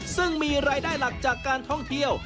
ซึ่งมีรายได้หลักจากการท่องเที่ยว